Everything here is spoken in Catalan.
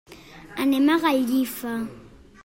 Anem a Gallifa.